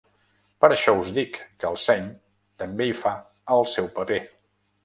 Per això us dic que el seny també hi fa el seu paper.